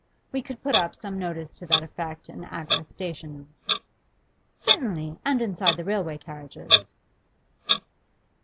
We could put up some notice to that effect in Agworth station.' 'Certainly, and inside the railway carriages.